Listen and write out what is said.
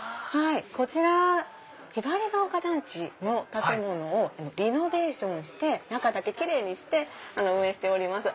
こちらひばりが丘団地の建物をリノベーションして中だけキレイにして運営しております。